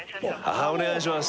ああお願いします